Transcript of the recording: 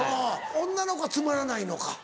女の子はつまらないのか？